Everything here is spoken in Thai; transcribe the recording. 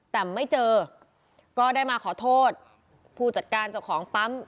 แต่ไม่เจอก็ได้มาขอโทษผู้จัดการเจ้าของปั๊ม